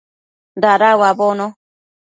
Dada uabono